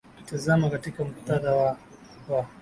ukitazama katika muktadha wa wa